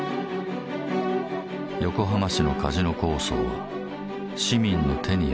横浜市のカジノ構想は市民の手によって葬られた。